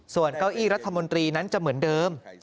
ส่วนเก้าอี้รัฐมนตรีนั้นจะเหมือนเดิม